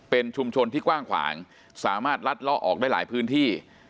เป็นชุมชนที่กว้างขวางสามารถลัดเลาะออกได้หลายพื้นที่